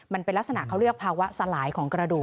มันเป็นลักษณะเขาเรียกภาวะสลายของกระดูก